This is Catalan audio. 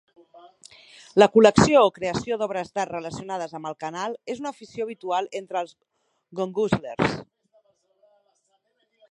La col·lecció o creació d'obres d'art relacionades amb el canal és una afició habitual entre els gongoozlers.